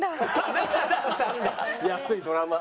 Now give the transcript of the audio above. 安いドラマ。